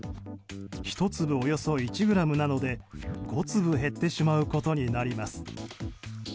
１粒およそ１ｇなので５粒減ってしまうことになります。